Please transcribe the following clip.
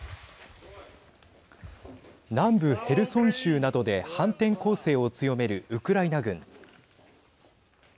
南部ヘルソン州などで反転攻勢を強めるウクライナ軍。